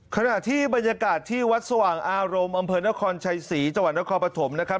ขณะที่บรรยากาศที่วัดสว่างอารมณ์อำเภอนครชัยศรีจังหวัดนครปฐมนะครับ